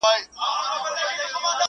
د دې نوي کفن کښ ګډه غوغا وه،